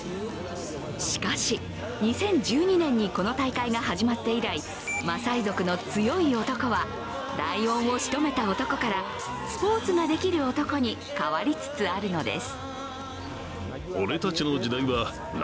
しかし、２０１２年にこの大会が始まって以来、マサイ族の強い男はライオンをしとめた男からスポーツができる男に変わりつつあるのです。